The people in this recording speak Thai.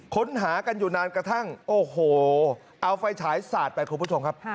ค้นหากันอยู่นานกระทั่งโอ้โหเอาไฟฉายสาดไปคุณผู้ชมครับ